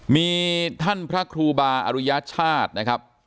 มีท่านพระครูบาอรุยชาตินะครับ